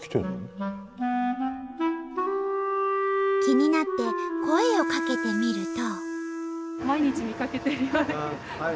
気になって声をかけてみると。